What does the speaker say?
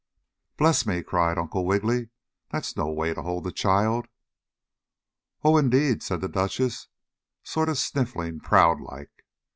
"Bless me!" cried Uncle Wiggily. "That's no way to hold the child." "Oh, indeed!" said the Duchess, sort of sniffing proud like.